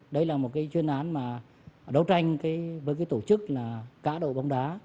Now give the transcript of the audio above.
đây là một chuyên án đấu tranh với tổ chức cá đội bóng đá